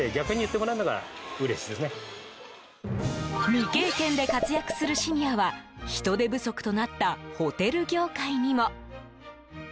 未経験で活躍するシニアは人手不足となったホテル業界にも。